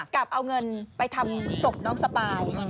กับเอาเงินไปทำศพน้องสปาย